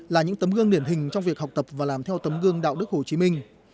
là những tấm gương điển hình trong việc học tập và làm theo tấm gương đạo đức hồ chí minh